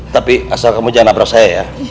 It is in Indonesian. tapi asal kamu jangan nabrak saya ya